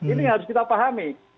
ini yang harus kita pahami